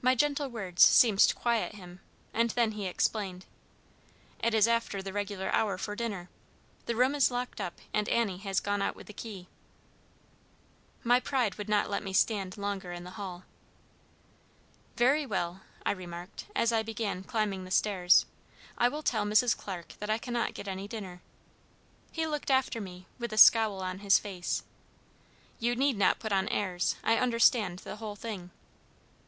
My gentle words seemed to quiet him, and then he explained: "It is after the regular hour for dinner. The room is locked up, and Annie has gone out with the key." My pride would not let me stand longer in the hall. "Very well," I remarked, as I began climbing the stairs, "I will tell Mrs. Clarke that I cannot get any dinner." He looked after me, with a scowl on his face: "You need not put on airs! I understand the whole thing."